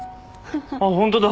あっホントだ。